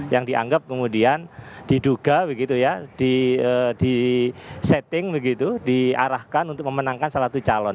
yang dianggap kemudian diduga begitu ya di setting begitu diarahkan untuk memenangkan salah satu calon